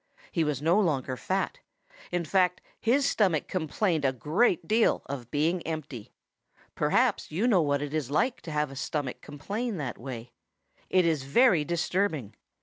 He was no longer fat. In fact, his stomach complained a great deal of being empty. Perhaps you know what it is like to have a stomach complain that way. It is very disturbing.